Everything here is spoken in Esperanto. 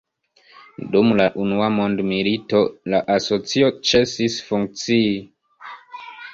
Dum la Unua Mondmilito la Asocio ĉesis funkcii.